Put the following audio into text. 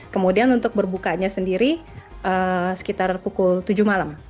kemudian untuk berbukanya sendiri sekitar pukul tujuh malam